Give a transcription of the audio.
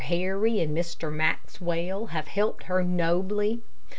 Harry and Mr. Maxwell have helped her nobly.